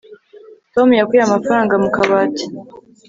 tom yakuye amafaranga mu kabati